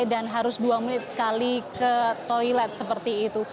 dan harus dua menit sekali ke toilet seperti itu